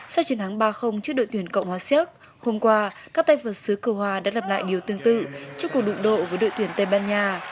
sau chiến thắng ba trước đội tuyển cộng hòa xéc hôm qua các tay vật sứ cờ hoa đã lặp lại điều tương tự trước cuộc đụng độ với đội tuyển tây ban nha